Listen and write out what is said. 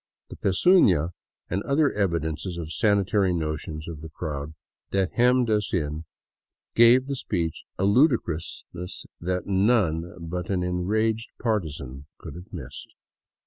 The pesuna and other evidences of sanitary notions of the crowd that hemmed us in gave the speech a ludicrousness that none but an enraged partizan could have missed.